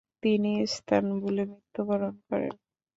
তিনি ইস্তানবুলে মৃত্যুবরণ করেন।